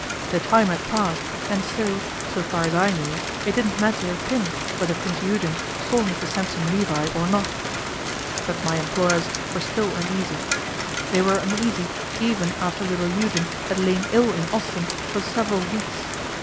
The time had passed, and so, so far as I knew, it didn't matter a pin whether Prince Eugen saw Mr Sampson Levi or not. But my employers were still uneasy. They were uneasy even after little Eugen had lain ill in Ostend for several weeks.